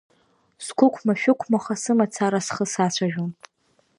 Сқәықәма-шәықәмаха сымацара схы сацәажәон.